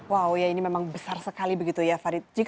wow ya ini memang besar sekali begitu ya farid